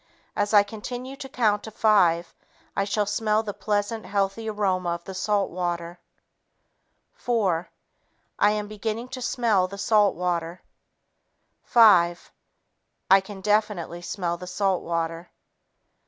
As I continue to count to five, I shall smell the pleasant, healthy aroma of the salt water. Four ... I am beginning to smell the salt water. Five ... I can definitely smell the salt water."